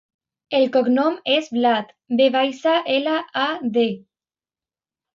El cognom és Vlad: ve baixa, ela, a, de.